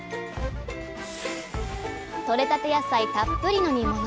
とれたて野菜たっぷりの煮物。